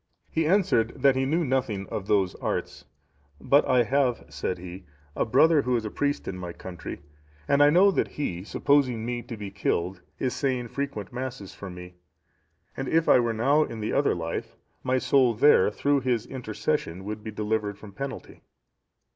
He answered that he knew nothing of those arts; "but I have," said he, "a brother who is a priest in my country, and I know that he, supposing me to be killed, is saying frequent Masses for me; and if I were now in the other life, my soul there, through his intercession, would be delivered from penalty."